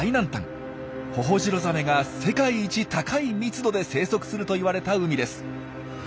ホホジロザメが世界一高い密度で生息するといわれた海です。